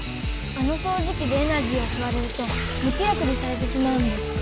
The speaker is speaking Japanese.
あのそうじきでエナジーをすわれるとむ気力にされてしまうんです。